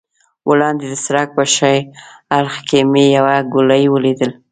وړاندې د سړک په ښي اړخ کې مې یوه ګولایي ولیدل.